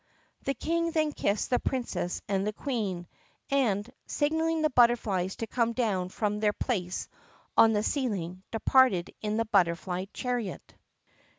The King then kissed the Princess and the Queen, and, signaling the butterflies to come down from their places on the ceiling, departed in the butterfly chariot.